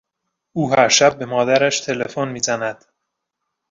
او هر شب به مادرش تلفن میزند.